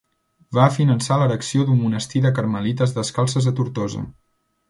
Va finançar l'erecció d'un monestir de carmelites descalces a Tortosa.